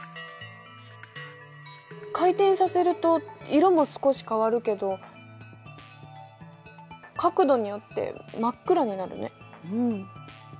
回転させると色も少し変わるけど角度によって真っ暗になるね。